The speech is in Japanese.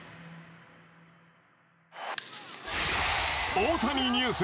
大谷ニュース